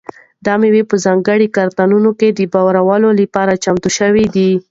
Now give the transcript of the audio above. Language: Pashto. دا مېوې په ځانګړو کارتنونو کې د بارولو لپاره چمتو شوي دي.